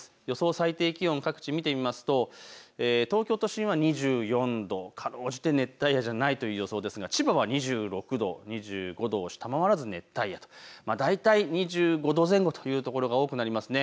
最低気温、各地見てみますと東京都心は２４度、かろうじて熱帯夜じゃないという予想ですが千葉は２６度、２５度を下回らず熱帯夜と、大体２５度前後という所が多くなりますね。